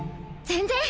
全然。